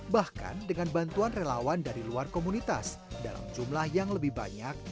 bahkan dengan bantuan relawan dari luar komunitas dalam jumlah yang lebih banyak